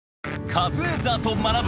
『カズレーザーと学ぶ。』